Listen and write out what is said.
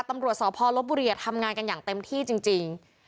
ตำรวจสพลบุรีทำงานกันอย่างเต็มที่จริง